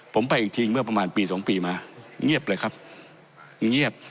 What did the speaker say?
ผมไปอีกทีเมื่อประมาณปีสองปีมาเงียบเลยครับเงียบ